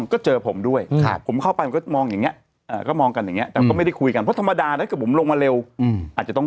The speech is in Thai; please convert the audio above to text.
เพราะไม่ใช่ต้องเป็นรูปเราจริง